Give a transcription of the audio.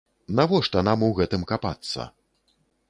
Навошта нам у гэтым капацца!